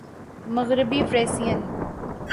مغربی فریسیئن